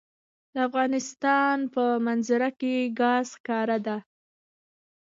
د افغانستان په منظره کې ګاز ښکاره ده.